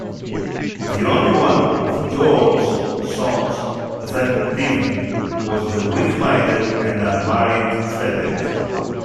The only one of George's sons then living was the weak-minded and unmarried Frederick.